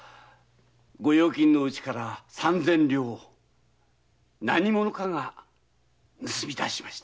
御用金の内から三千両何者かが盗みだしました。